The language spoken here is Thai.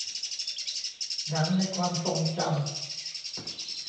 หนังในความทรงจำ